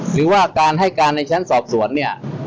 หรือว่าการให้การในชั้นสอบสวนเนี่ย